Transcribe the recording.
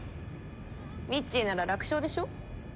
ミッチーなら楽勝でしょ？